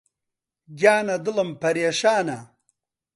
گیانە دڵم پەرێشانە